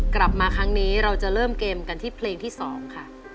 กลับมาครั้งนี้เราจะเริ่มเกมกันที่เพลงที่๒ค่ะ